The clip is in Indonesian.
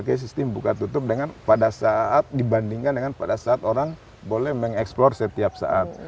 pakai sistem buka tutup dengan pada saat dibandingkan dengan pada saat orang boleh mengeksplor setiap saat